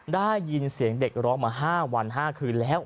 ได้ยินเสียงเด็กร้องมา๕วัน๕คืนแล้ว